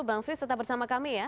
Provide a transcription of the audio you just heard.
bang frits tetap bersama kami ya